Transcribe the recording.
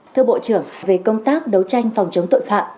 thưa bộ trưởng về công tác đấu tranh phòng chống tội phạm